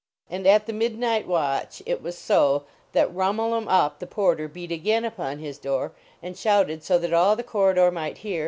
And at the midnight watch it was so that Rhumul em Uhp the Porter beat again upon his door and shouted so that all the corridor might hear: 228